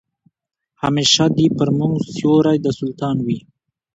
همېشه دي پر موږ سیوری د سلطان وي